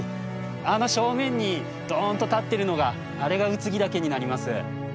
あの正面にドンと立ってるのがあれが空木岳になります。